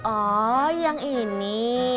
oh yang ini